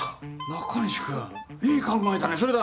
中西君いい考えだねそれだ。